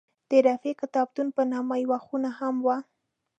د رفیع کتابتون په نامه یوه خونه هم وه.